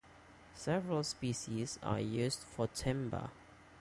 Several species are used for timber.